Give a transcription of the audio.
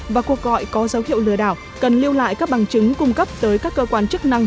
và cuộc gọi có dấu hiệu lừa đảo cần lưu lại các bằng chứng cung cấp tới các cơ quan chức năng